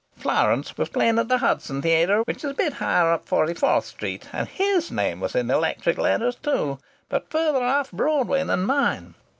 Florance was playing at the Hudson Theatre, which is a bit higher up Forty fourth Street, and his name was in electric letters too, but further off Broadway than mine.